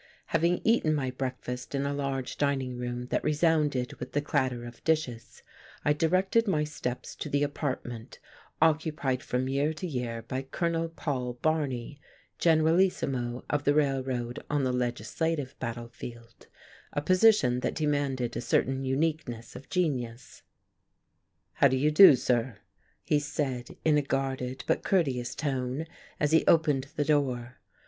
Having eaten my breakfast in a large dining room that resounded with the clatter of dishes, I directed my steps to the apartment occupied from year to year by Colonel Paul Barney, generalissimo of the Railroad on the legislative battlefield, a position that demanded a certain uniqueness of genius. "How do you do, sir," he said, in a guarded but courteous tone as he opened the door.